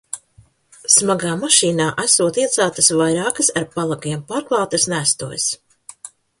Smagā mašīnā esot ieceltas vairākas, ar palagiem pārklātas nestuves.